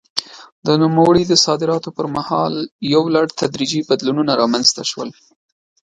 د نوموړي د صدارت پر مهال یو لړ تدریجي بدلونونه رامنځته شول.